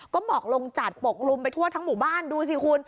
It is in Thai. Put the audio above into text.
ก็หมอกลงจัดปกคลุมไปทั่วทั้งหมู่บ้านดูสิคุณ